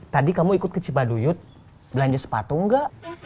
tadi kamu ikut ke cipaduyut belanja sepatu enggak